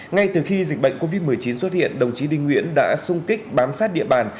ngay từ khi dịch bệnh covid một mươi chín xuất hiện đồng chí đinh nguyễn đã sung kích bám sát địa bàn